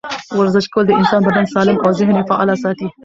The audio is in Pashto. ورزش کول د انسان بدن سالم او ذهن یې فعاله ساتي.